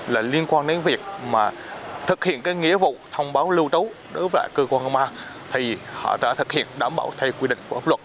liên quan đến việc thực hiện nghĩa vụ thông báo lưu trú đối với cơ quan công an